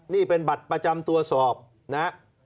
นี่เป็นบัตรประจำตัวสอบนะฮะ